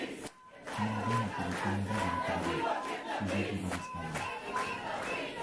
Morgan était le commandant de la colonie, sujet du roi d'Espagne.